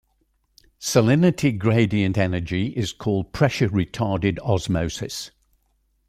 Salinity gradient energy is called pressure-retarded osmosis.